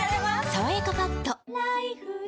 「さわやかパッド」